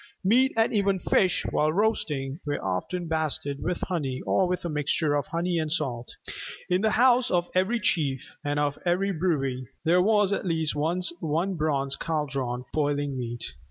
Meat, and even fish, while roasting, were often basted with honey or with a mixture of honey and salt. In the house of every chief and of every brewy (see p. 119 below) there was at least one bronze Caldron for boiling meat.